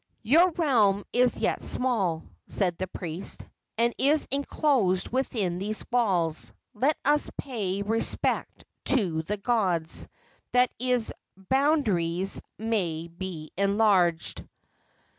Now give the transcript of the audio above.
"Your realm is yet small," said the priest, "and is enclosed within these walls. Let us pay respect to the gods, that its boundaries may be enlarged."